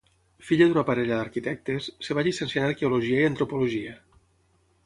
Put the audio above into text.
Filla d'una parella d'arquitectes, es va llicenciar en arqueologia i antropologia.